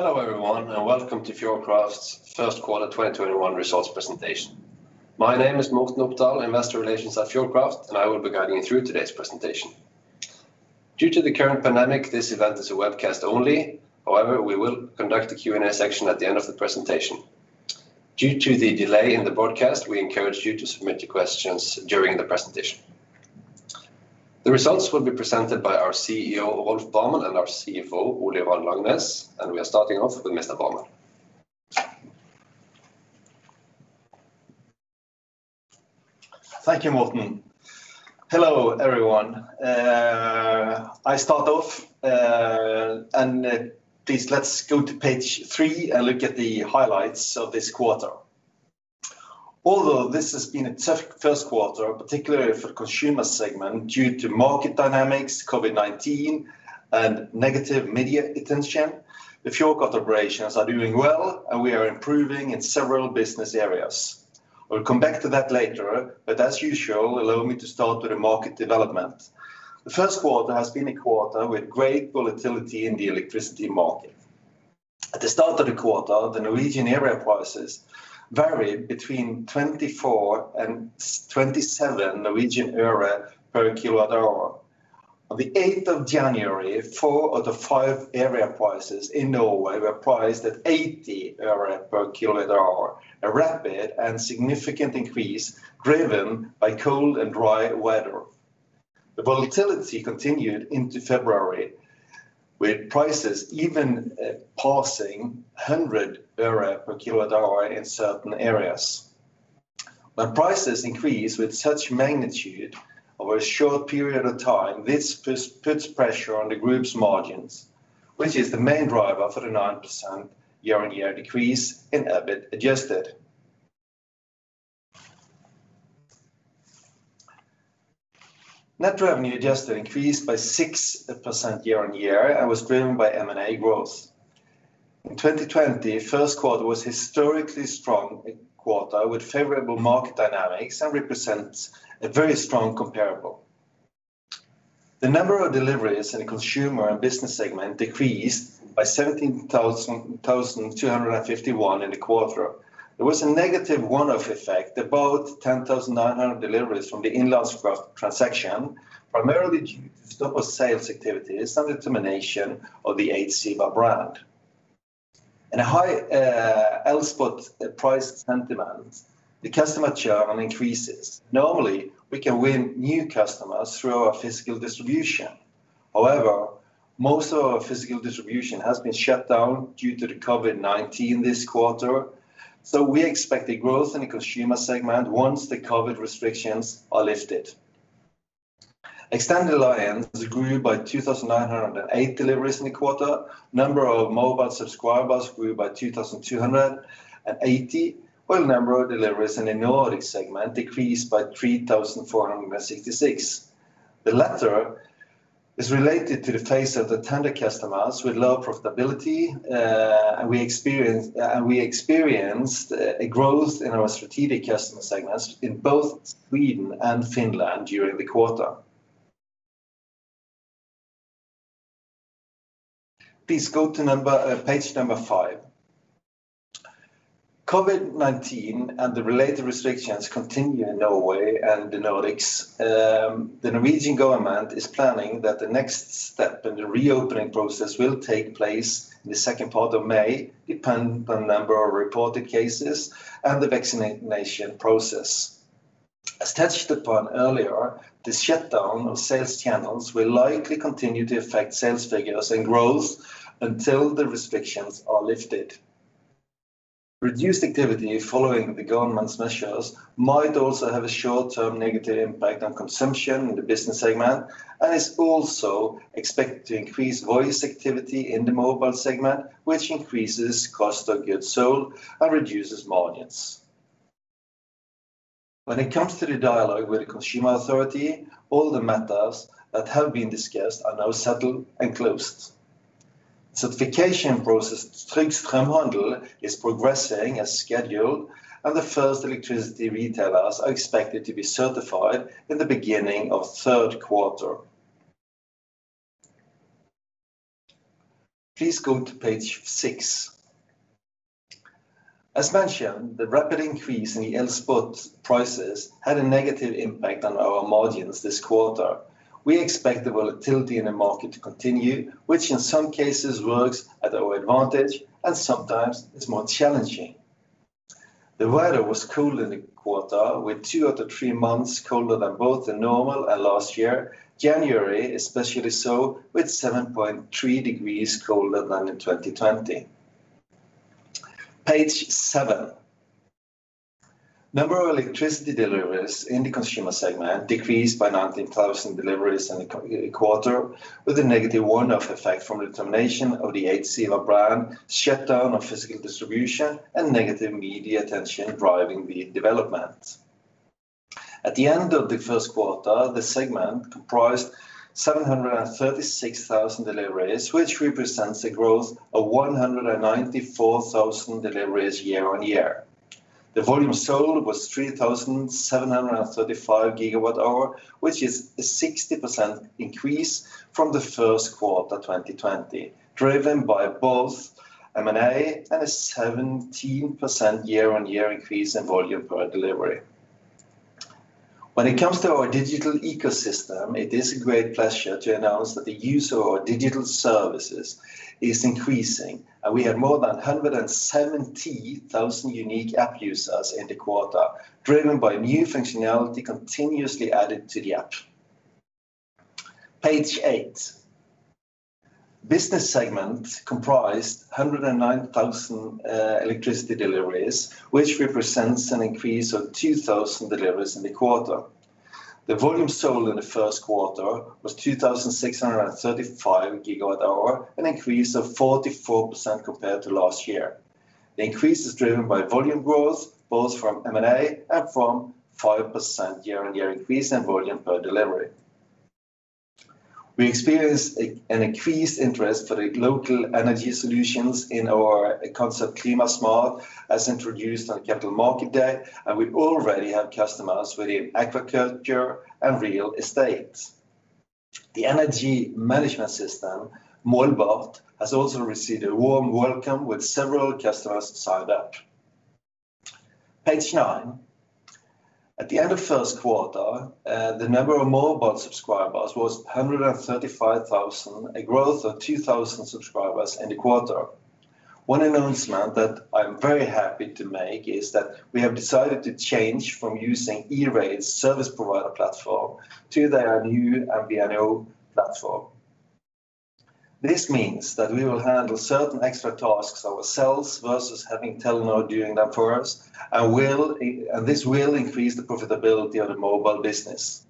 Hello, everyone, welcome to Fjordkraft's first quarter 2021 results presentation. My name is Morten Opdal, Investor Relations at Fjordkraft, and I will be guiding you through today's presentation. Due to the current pandemic, this event is a webcast only. However, we will conduct a Q&A section at the end of the presentation. Due to the delay in the broadcast, we encourage you to submit your questions during the presentation. The results will be presented by our CEO, Rolf Barmen, and our CFO, Ole Johan Langenes. We are starting off with Mr. Barmen. Thank you, Morten. Hello, everyone. I start off. Please let's go to page three and look at the highlights of this quarter. Although this has been a tough first quarter, particularly for consumer segment due to market dynamics, COVID-19, and negative media attention, the Fjordkraft operations are doing well, and we are improving in several business areas. I'll come back to that later. As usual, allow me to start with the market development. The first quarter has been a quarter with great volatility in the electricity market. At the start of the quarter, the Norwegian area prices varied between NOK 0.24/kWh and NOK 0.27/kWh. On January 8th, four of the five area prices in Norway were priced at NOK 0.80/kWh, a rapid and significant increase driven by cold and dry weather. The volatility continued into February with prices even passing NOK 1.00/kWh in certain areas. When prices increase with such magnitude over a short period of time, this puts pressure on the group's margins, which is the main driver for the 9% year-on-year decrease in EBIT adjusted. Net revenue adjusted increased by 6% year-on-year and was driven by M&A growth. In 2020, first quarter was historically strong quarter with favorable market dynamics and represents a very strong comparable. The number of deliveries in the consumer and business segment decreased by 17,251 in the quarter. There was a negative one-off effect, about 10,900 deliveries from the Innlandskraft transaction, primarily due to stop of sales activities and the termination of the Eidsiva brand. In a high elspot price sentiment, the customer churn increases. Normally, we can win new customers through our physical distribution. However, most of our physical distribution has been shut down due to the COVID-19 this quarter. We expect a growth in the consumer segment once the COVID restrictions are lifted. Extended alliances grew by 2,908 deliveries in the quarter. Number of mobile subscribers grew by 2,280, while number of deliveries in the Nordic segment decreased by 3,466. The latter is related to the phase-out of the tender customers with low profitability, and we experienced a growth in our strategic customer segments in both Sweden and Finland during the quarter. Please go to page number five. COVID-19 and the related restrictions continue in Norway and the Nordics. The Norwegian government is planning that the next step in the reopening process will take place in the second part of May, dependent on number of reported cases and the vaccination process. As touched upon earlier, the shutdown of sales channels will likely continue to affect sales figures and growth until the restrictions are lifted. Reduced activity following the government's measures might also have a short-term negative impact on consumption in the business segment and is also expected to increase voice activity in the mobile segment, which increases cost of goods sold and reduces margins. When it comes to the dialogue with the Consumer Authority, all the matters that have been discussed are now settled and closed. Certification process Trygg strømhandel is progressing as scheduled, and the first electricity retailers are expected to be certified in the beginning of third quarter. Please go to page six. As mentioned, the rapid increase in the elspot prices had a negative impact on our margins this quarter. We expect the volatility in the market to continue, which in some cases works at our advantage and sometimes is more challenging. The weather was cold in the quarter with two out of three months colder than both the normal and last year. January especially so with 7.3 degrees colder than in 2020. Page seven. Number of electricity deliveries in the consumer segment decreased by 19,000 deliveries in the quarter with a negative one-off effect from the termination of the Eidsiva brand, shutdown of physical distribution, and negative media attention driving the development. At the end of the first quarter, the segment comprised 736,000 deliveries, which represents a growth of 194,000 deliveries year-on-year. The volume sold was 3,735 GWh, which is a 60% increase from the first quarter 2020, driven by both M&A and a 17% year-on-year increase in volume per delivery. When it comes to our digital ecosystem, it is a great pleasure to announce that the use of our digital services is increasing, and we have more than 170,000 unique app users in the quarter, driven by new functionality continuously added to the app. Page eight. Business segment comprised 109,000 electricity deliveries, which represents an increase of 2,000 deliveries in the quarter. The volume sold in the first quarter was 2,635 GWh, an increase of 44% compared to last year. The increase is driven by volume growth, both from M&A and from 5% year-on-year increase in volume per delivery. We experienced an increased interest for the local energy solutions in our concept Klimasmart, as introduced on Capital Markets Day, and we already have customers within agriculture and real estate. The energy management system, Målbart, has also received a warm welcome with several customers signed up. Page nine. At the end of first quarter, the number of mobile subscribers was 135,000, a growth of 2,000 subscribers in the quarter. One announcement that I'm very happy to make is that we have decided to change from using eRate's service provider platform to their new MVNO platform. This means that we will handle certain extra tasks ourselves versus having Telenor doing them for us, and this will increase the profitability of the mobile business.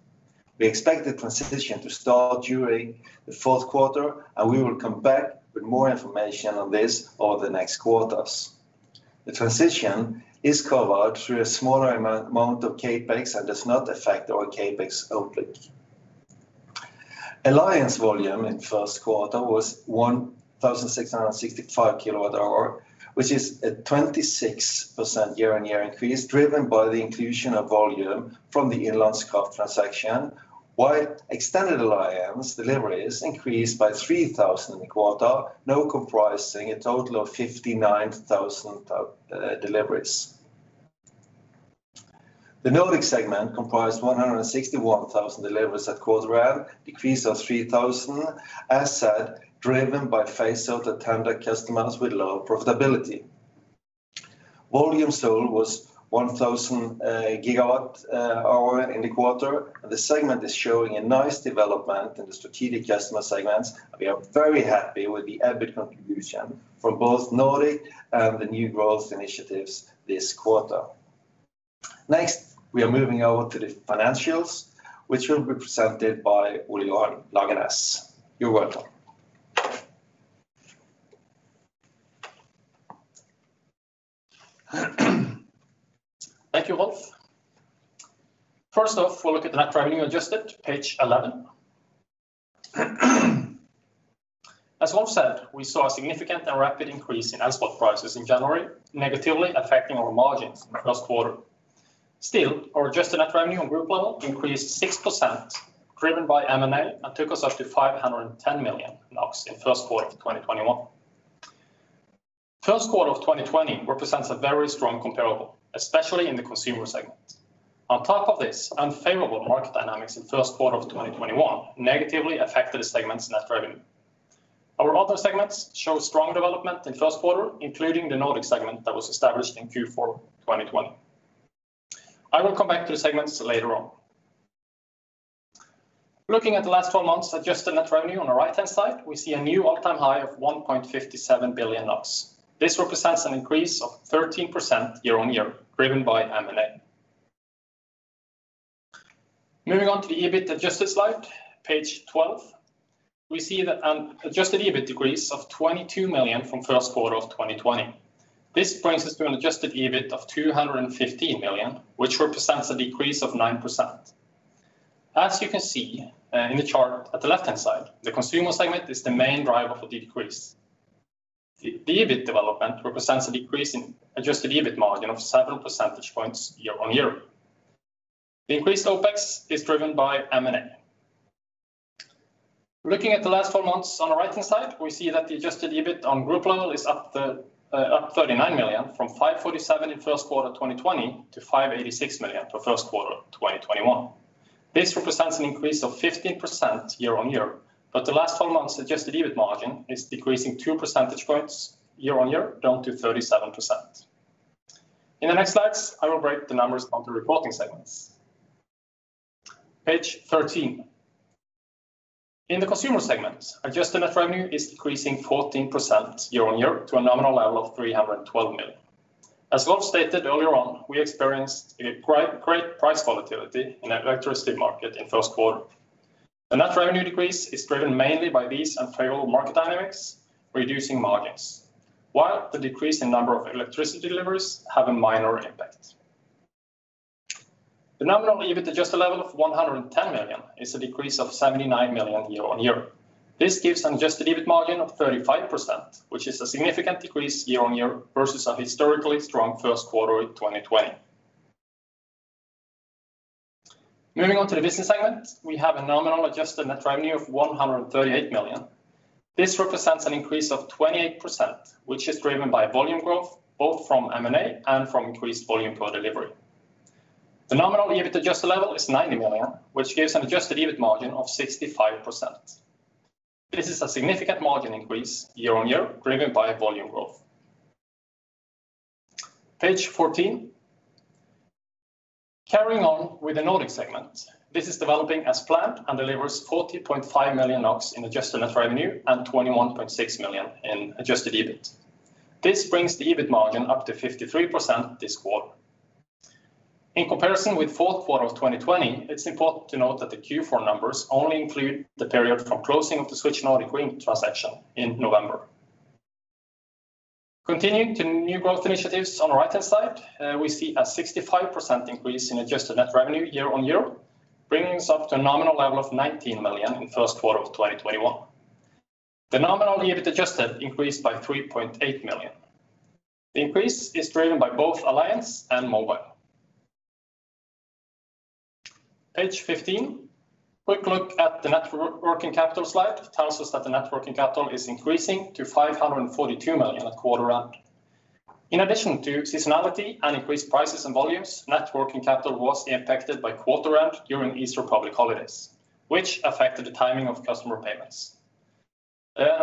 We expect the transition to start during the fourth quarter, and we will come back with more information on this over the next quarters. The transition is covered through a smaller amount of CapEx and does not affect our CapEx outlook. Alliance volume in first quarter was 1,665 kWh, which is a 26% year-over-year increase, driven by the inclusion of volume from the Innlandskraft transaction, while extended alliance deliveries increased by 3,000 in the quarter, now comprising a total of 59,000 deliveries. The Nordic segment comprised 161,000 deliveries at quarter end, decrease of 3,000, as said, driven by phase out of tender customers with low profitability. Volume sold was 1,000 GWh in the quarter. The segment is showing a nice development in the strategic customer segments. We are very happy with the EBIT contribution from both Nordic and the new growth initiatives this quarter. Next, we are moving over to the financials, which will be presented by Ole Johan Langenes. You are welcome. Thank you, Rolf. First off, we'll look at page 11, the net revenue adjusted. As Rolf said, we saw a significant and rapid increase in elspot prices in January, negatively affecting our margins in the first quarter. Still, our adjusted net revenue on group level increased 6%, driven by M&A, and took us up to 510 million NOK in first quarter of 2021. First quarter of 2020 represents a very strong comparable, especially in the consumer segment. On top of this, unfavorable market dynamics in first quarter of 2021 negatively affected the segment's net revenue. Our other segments show strong development in first quarter, including the Nordic segment that was established in Q4 2020. I will come back to the segments later on. Looking at the last 12 months adjusted net revenue on the right-hand side, we see a new all-time high of 1.57 billion NOK. This represents an increase of 13% year-on-year, driven by M&A. Moving on to the EBIT adjusted slide, page 12, we see that an adjusted EBIT decrease of 22 million from first quarter of 2020. This brings us to an adjusted EBIT of 215 million, which represents a decrease of 9%. As you can see, in the chart at the left-hand side, the consumer segment is the main driver for the decrease. The EBIT development represents a decrease in adjusted EBIT margin of 7 percentage points year-on-year. The increased OpEx is driven by M&A. Looking at the last 12 months on the right-hand side, we see that the adjusted EBIT on group level is up 39 million, from 547 million in first quarter 2020 to 586 million for first quarter 2021. This represents an increase of 15% year-on-year, but the last 12 months adjusted EBIT margin is decreasing 2 percentage points year-on-year, down to 37%. In the next slides, I will break the numbers on the reporting segments. Page 13. In the consumer segment, adjusted net revenue is decreasing 14% year-on-year to a nominal level of 312 million. As Rolf stated earlier on, we experienced a great price volatility in the electricity market in first quarter. The net revenue decrease is driven mainly by these unfavorable market dynamics, reducing margins, while the decrease in number of electricity deliveries have a minor impact. The nominal EBIT adjusted level of 110 million is a decrease of 79 million year-on-year. This gives an adjusted EBIT margin of 35%, which is a significant decrease year-on-year versus a historically strong first quarter in 2020. Moving on to the business segment, we have a nominal adjusted net revenue of 138 million. This represents an increase of 28%, which is driven by volume growth, both from M&A and from increased volume per delivery. The nominal EBIT adjusted level is 90 million, which gives an adjusted EBIT margin of 65%. This is a significant margin increase year-over-year driven by volume growth. Page 14. Carrying on with the Nordic segment. This is developing as planned and delivers 40.5 million NOK in adjusted net revenue and 21.6 million in adjusted EBIT. This brings the EBIT margin up to 53% this quarter. In comparison with fourth quarter of 2020, it is important to note that the Q4 numbers only include the period from closing of the Switch Nordic transaction in November. Continuing to new growth initiatives on the right-hand side, we see a 65% increase in adjusted net revenue year-on-year, bringing us up to a nominal level of 19 million in first quarter of 2021. The nominal EBIT adjusted increased by 3.8 million. The increase is driven by both alliance and mobile. Page 15. Quick look at the net working capital slide tells us that the net working capital is increasing to 542 million at quarter end. In addition to seasonality and increased prices and volumes, net working capital was impacted by quarter end during Easter public holidays, which affected the timing of customer payments.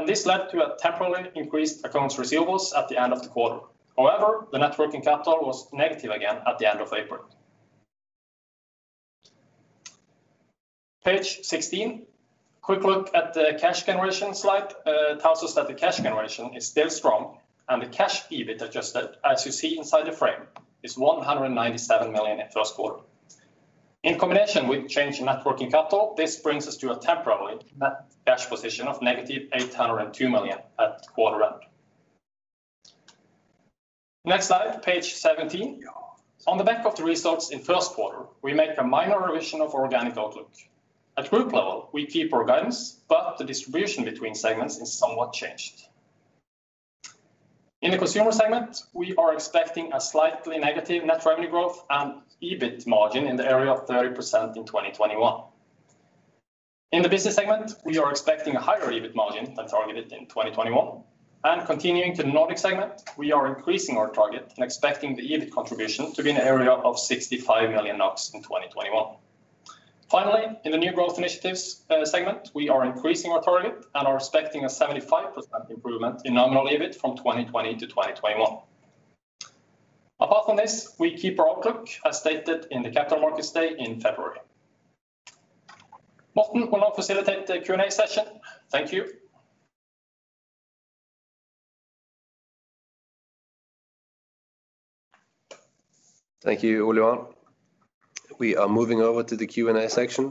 This led to a temporarily increased accounts receivables at the end of the quarter. However, the net working capital was negative again at the end of April. Page 16. Quick look at the cash generation slide tells us that the cash generation is still strong and the cash EBIT adjusted, as you see inside the frame, is 197 million in first quarter. In combination with change in net working capital, this brings us to a temporarily net cash position of negative 802 million at quarter end. Next slide, page 17. On the back of the results in first quarter, we make a minor revision of our organic outlook. At group level, we keep our guidance, but the distribution between segments is somewhat changed. In the consumer segment, we are expecting a slightly negative net revenue growth and EBIT margin in the area of 30% in 2021. In the business segment, we are expecting a higher EBIT margin than targeted in 2021. Continuing to the Nordic segment, we are increasing our target and expecting the EBIT contribution to be in the area of 65 million NOK in 2021. Finally, in the new growth initiatives segment, we are increasing our target and are expecting a 75% improvement in nominal EBIT from 2020 to 2021. Apart from this, we keep our outlook as stated in the Capital Markets Day in February. Morten will now facilitate the Q&A session. Thank you. Thank you, Ole Johan. We are moving over to the Q&A section.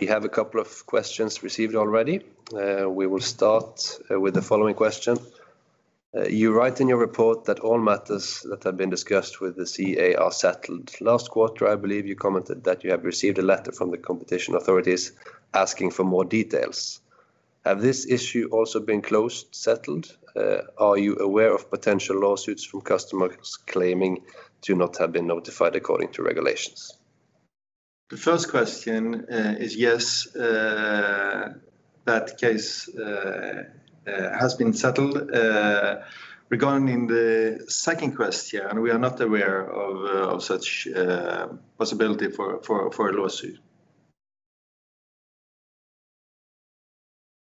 We have a couple of questions received already. We will start with the following question. You write in your report that all matters that have been discussed with the CA are settled. Last quarter, I believe you commented that you have received a letter from the Consumer Authority asking for more details. Have this issue also been closed, settled? Are you aware of potential lawsuits from customers claiming to not have been notified according to regulations? The first question is yes, that case has been settled. Regarding the second question, we are not aware of such possibility for a lawsuit.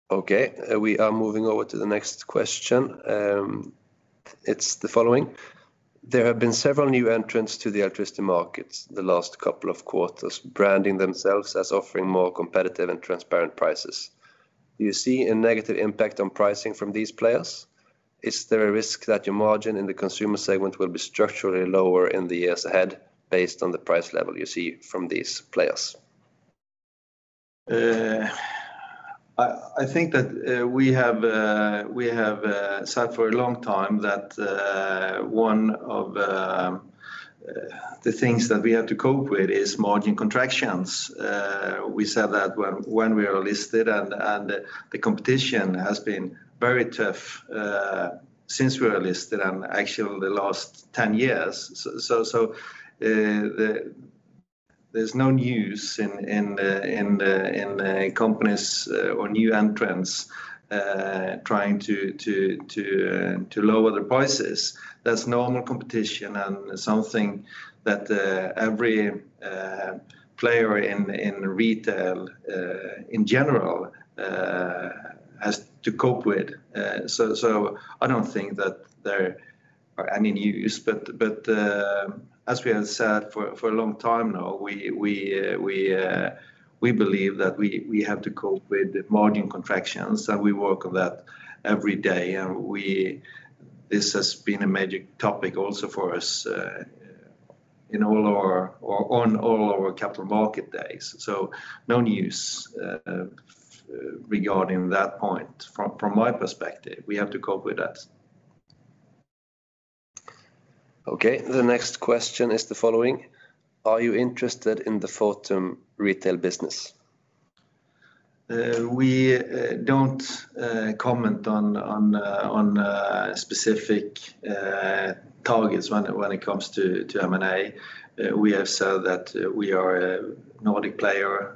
Okay. We are moving over to the next question. It is the following. There have been several new entrants to the electricity markets the last couple of quarters, branding themselves as offering more competitive and transparent prices. Do you see a negative impact on pricing from these players? Is there a risk that your margin in the consumer segment will be structurally lower in the years ahead based on the price level you see from these players? I think that we have said for a long time that one of the things that we have to cope with is margin contractions. We said that when we are listed, and the competition has been very tough since we were listed and actually the last 10 years. There's no news in companies or new entrants trying to lower their prices. That's normal competition and something that every player in retail, in general, has to cope with. As we have said for a long time now, we believe that we have to cope with margin contractions, and we work on that every day. This has been a major topic also for us on all our Capital Markets Days. No news regarding that point. From my perspective, we have to cope with that. Okay. The next question is the following: Are you interested in the Fortum retail business? We don't comment on specific targets when it comes to M&A. We have said that we are a Nordic player.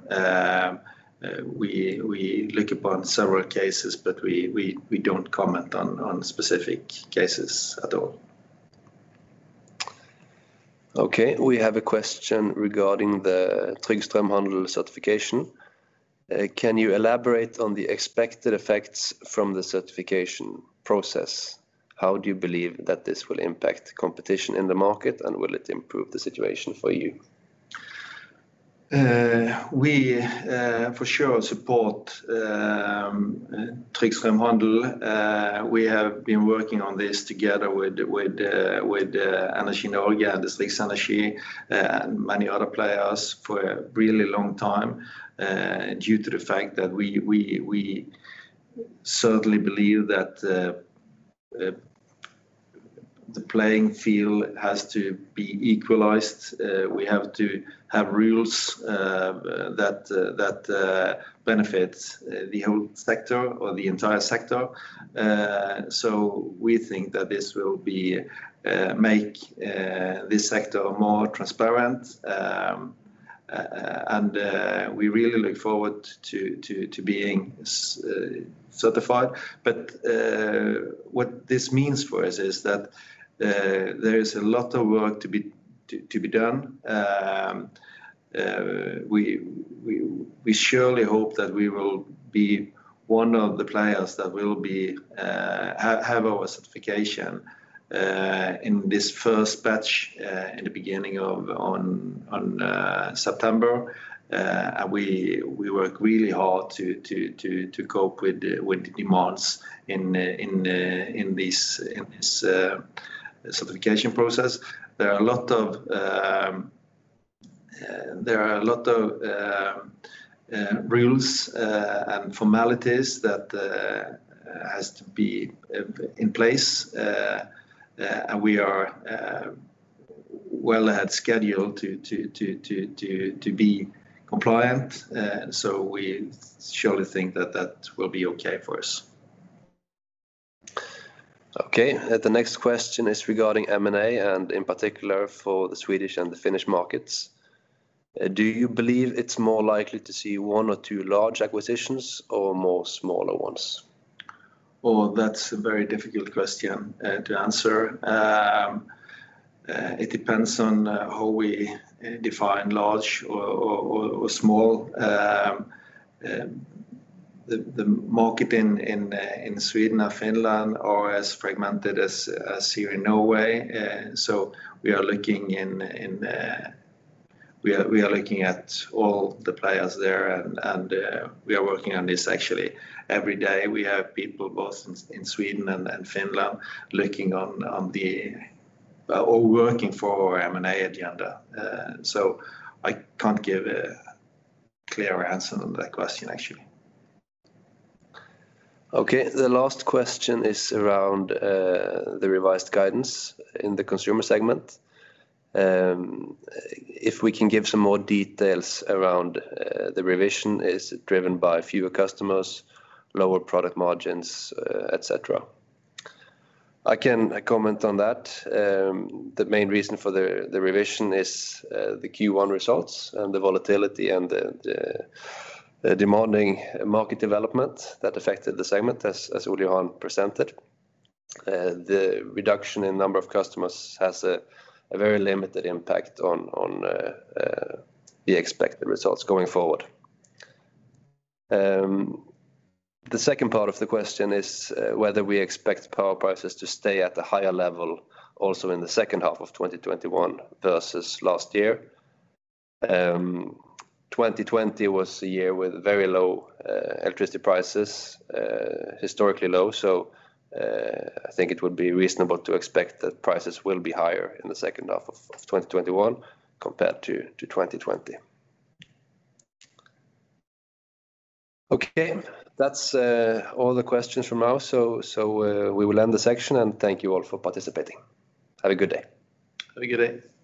We look upon several cases, but we don't comment on specific cases at all. Okay. We have a question regarding the Trygg Strømhandel certification. Can you elaborate on the expected effects from the certification process? How do you believe that this will impact competition in the market, and will it improve the situation for you? We for sure support Trygg Strømhandel. We have been working on this together with Energi Norge and Distriktsenergi, and many other players for a really long time due to the fact that we certainly believe that the playing field has to be equalized. We have to have rules that benefit the whole sector or the entire sector. We think that this will make this sector more transparent, and we really look forward to being certified. What this means for us is that there is a lot of work to be done. We surely hope that we will be one of the players that will have our certification in this first batch in the beginning of September. We work really hard to cope with the demands in this certification process. There are a lot of rules and formalities that have to be in place, and we are well ahead schedule to be compliant. We surely think that that will be okay for us. Okay. The next question is regarding M&A and in particular for the Swedish and the Finland markets. Do you believe it's more likely to see one or two large acquisitions or more smaller ones? Oh, that's a very difficult question to answer. It depends on how we define large or small. The market in Sweden and Finland are as fragmented as here in Norway. We are looking at all the players there, and we are working on this actually every day. We have people both in Sweden and Finland looking on or working for our M&A agenda. I can't give a clear answer on that question, actually. Okay. The last question is around the revised guidance in the consumer segment. If we can give some more details around the revision, is it driven by fewer customers, lower product margins, etc.? I can comment on that. The main reason for the revision is the Q1 results and the volatility and the demanding market development that affected the segment, as Ole Johan presented. The reduction in number of customers has a very limited impact on the expected results going forward. The second part of the question is whether we expect power prices to stay at a higher level also in the second half of 2021 versus last year. 2020 was a year with very low electricity prices, historically low. I think it would be reasonable to expect that prices will be higher in the second half of 2021 compared to 2020. Okay. That's all the questions for now. We will end the session, and thank you all for participating. Have a good day. Have a good day.